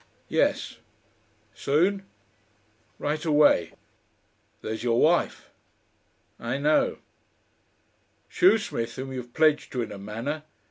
"Yes." "Soon?" "Right away." "There's your wife." "I know." "Shoesmith whom you're pledged to in a manner.